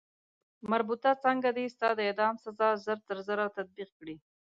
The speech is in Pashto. مربوطه څانګه دې ستا د اعدام سزا ژر تر ژره تطبیق کړي.